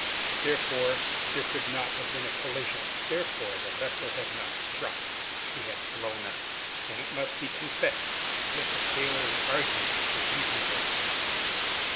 Therefore, there could not have been a collision. Therefore, the vessel had not struck. So she had blown up. And it must be confessed that the sailor's arguments were reasonable.